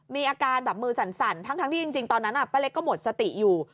มีอาการแบบมือสั่นทั้งที่จริงตอนนั้นป้าเล็กก็หมดสติอยู่